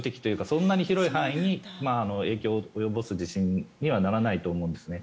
そんなに広い範囲に影響を及ぼす地震にはならないと思うんですね。